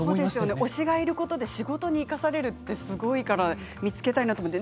推しがいることで仕事に生かされるってすごいから見つけたいなと思います。